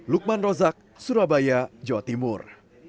lukman rozak surabaya jawa timur